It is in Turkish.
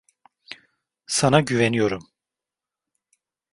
Sana güveniyorum.